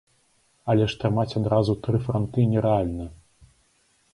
Але ж трымаць адразу тры франты нерэальна.